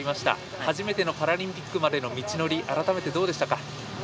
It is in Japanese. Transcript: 初めてのパラリンピックまでの道のり改めてどうでしたか。